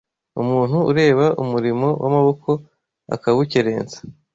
Umuntu ureba umurimo w’amaboko akawukerensa